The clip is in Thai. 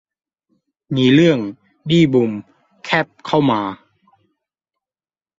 มีเรื่องยุ่งบีบวงแคบเข้ามา